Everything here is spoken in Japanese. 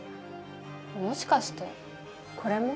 もしかしてこれも？